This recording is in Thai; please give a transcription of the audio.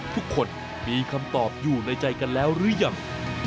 ทุกคนมีคำตอบอยู่ในใจกันแล้วหรือยัง